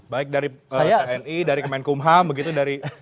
baik dari tni dari kemenkumham begitu